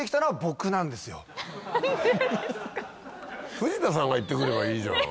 藤田さんが行ってくればいいじゃん。